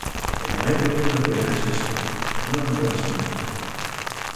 E a máis rotunda foi Ánxeles Cuña: "Non nos van silenciar".